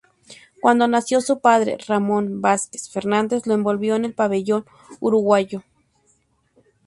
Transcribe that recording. Cuando nació, su padre, Ramón Vázquez Fernández, lo envolvió en el pabellón uruguayo.